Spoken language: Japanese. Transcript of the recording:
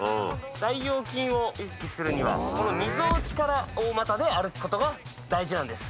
大腰筋を意識するにはこのみぞおちから大股で歩くことが大事なんです。